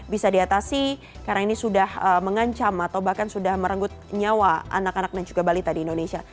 bisa diatasi karena ini sudah mengancam atau bahkan sudah merenggut nyawa anak anak dan juga balita di indonesia